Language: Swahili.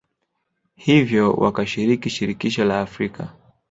hivyo wakashiriki Shirikisho la Afrika